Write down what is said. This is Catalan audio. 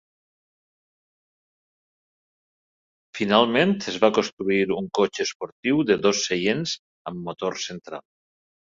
Finalment, es va construir un cotxe esportiu de dos seients amb motor central.